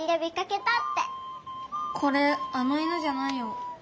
これあの犬じゃないよ。